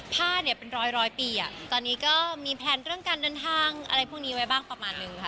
ผ้าเนี่ยเป็นร้อยปีอ่ะตอนนี้ก็มีแพลนเรื่องการเดินทางอะไรพวกนี้ไว้บ้างประมาณนึงค่ะ